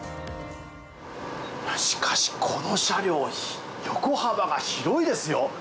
しかしこの車両横幅が広いですよ。